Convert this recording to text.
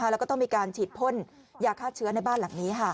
แล้วก็ต้องมีการฉีดพ่นยาฆ่าเชื้อในบ้านหลังนี้